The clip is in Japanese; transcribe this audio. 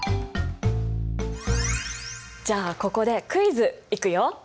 じゃあここでクイズいくよ！